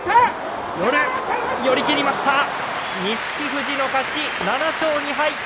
富士の勝ち、７勝２敗。